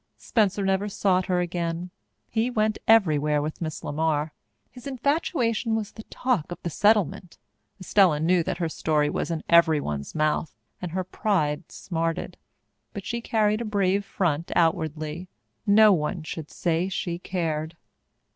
Spencer never sought her again; he went everywhere with Miss LeMar. His infatuation was the talk of the settlement. Estella knew that her story was in everyone's mouth, and her pride smarted; but she carried a brave front outwardly. No one should say she cared.